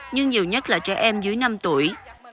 nhưng nhiều nhất là trẻ em dưới năm tuổi